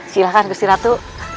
silakan gusti ratu